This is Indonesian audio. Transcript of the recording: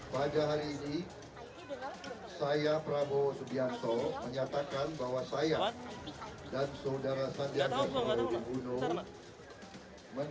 pada hari ini saya prabowo subianto menyatakan bahwa saya dan saudara sandi selalu dibunuh